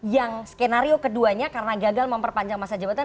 yang skenario keduanya karena gagal memperpanjang masa jabatan